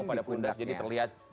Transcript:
jadi terlihatnya jadi terlihatnya